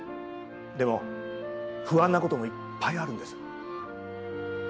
でも不安な事もいっぱいあるんです。